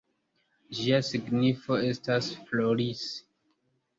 Ĝia signifo estas “floris”.